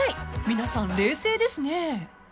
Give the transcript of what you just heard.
［皆さん冷静ですね］